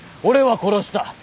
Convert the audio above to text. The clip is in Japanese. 俺は殺した！